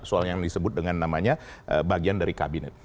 soal yang disebut dengan namanya bagian dari kabinet